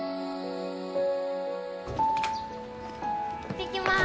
行ってきます。